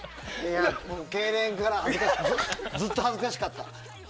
けいれんからずっと恥ずかしかった。